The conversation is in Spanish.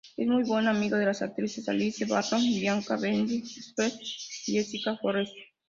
Es muy buen amigo de las actrices Alice Barlow, Bianca Hendrickse-Spendlove y Jessica Forrest.